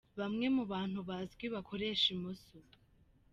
Bamwe mu bantu bazwi bakoresha imoso.